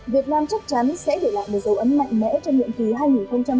việt nam chắc chắn sẽ tham gia vào nhiều trụ cột lớn của liên hợp quốc